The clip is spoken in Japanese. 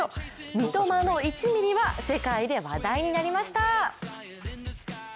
三笘の１ミリは世界で話題になりました。